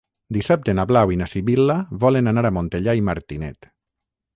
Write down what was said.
Dissabte na Blau i na Sibil·la volen anar a Montellà i Martinet.